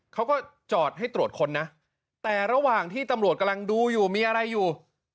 เขาก็จอดให้ตรวจค้นนะแต่ระหว่างที่ตำรวจกำลังดูอยู่มีอะไรอยู่